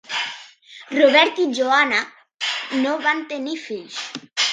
Robert i Joanna no van tenir fills.